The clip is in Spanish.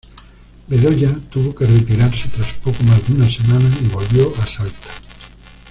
Bedoya tuvo que retirarse tras poco más de una semana y volvió a Salta.